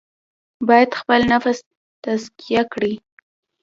باید خپل نفس تزکیه کړي.